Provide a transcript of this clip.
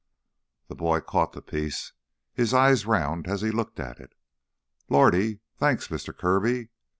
The boy caught the piece, his eyes round as he looked at it. "Lordy! Thanks, Mister Kirby!